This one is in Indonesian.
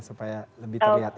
supaya lebih terlihat